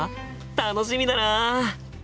楽しみだな！